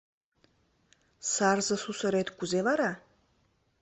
— Сарзе сусырет кузе вара?